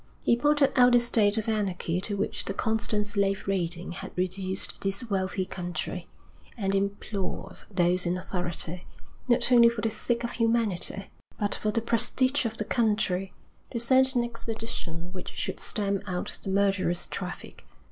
He pointed out the state of anarchy to which the constant slave raiding had reduced this wealthy country, and implored those in authority, not only for the sake of humanity, but for the prestige of the country, to send an expedition which should stamp out the murderous traffic.